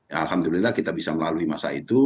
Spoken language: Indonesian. ya alhamdulillah kita bisa melalui masa itu